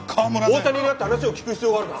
大谷に会って話を聞く必要があるな。